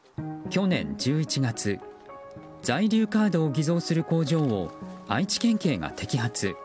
去年１１月在留カードを偽造する工場を愛知県警が摘発。